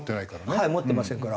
はい持ってませんから。